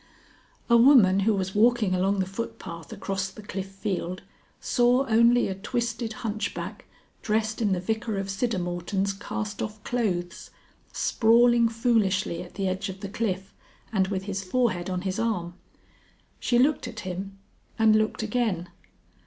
A woman who was walking along the footpath across the Cliff Field saw only a twisted hunchback dressed in the Vicar of Siddermorton's cast off clothes, sprawling foolishly at the edge of the cliff and with his forehead on his arm. She looked at him and looked again.